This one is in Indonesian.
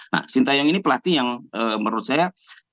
nah sintayong ini pelatih yang menurut saya